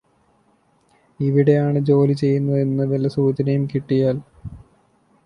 ഇവിടെയാണ് ജോലി ചെയ്യുന്നതെന്ന് വല്ല സൂചനയും കിട്ടിയാൽ